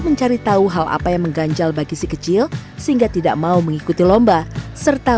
mencari tahu hal apa yang mengganjal bagi si kecil sehingga tidak mau mengikuti lomba serta